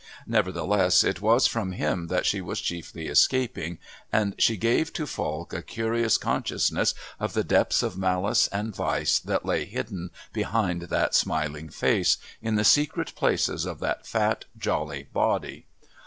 Nevertheless, it was from him that she was chiefly escaping, and she gave to Falk a curious consciousness of the depths of malice and vice that lay hidden behind that smiling face, in the secret places of that fat jolly body.